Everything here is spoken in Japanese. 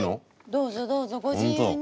どうぞどうぞご自由に。